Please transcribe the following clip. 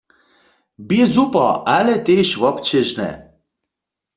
Bě super, ale tež wobćežne.